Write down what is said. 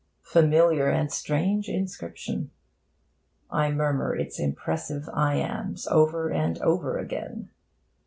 Familiar and strange inscription! I murmur its impressive iambs over and over again.